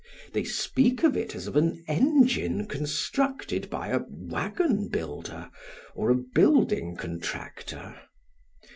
They speak of it as of an engine constructed by a wagon builder or a building contractor.